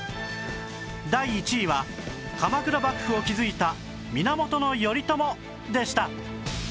第１位は鎌倉幕府を築いた源頼朝でした